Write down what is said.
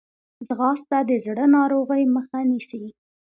ځغاسته د زړه ناروغۍ مخه نیسي